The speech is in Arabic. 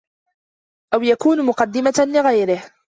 أَوْ يَكُونَ مُقَدِّمَةً لِغَيْرِهِ